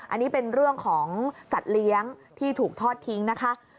อันนี้เป็นเรื่องของสัตว์เลี้ยงที่ถูกทอดทิ้งนะคะ